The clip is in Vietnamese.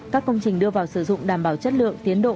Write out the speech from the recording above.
các công trình đưa vào sử dụng đảm bảo chất lượng tiến độ